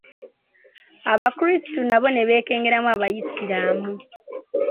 Abakristu nabo ne beekengeranga Abaisiramu.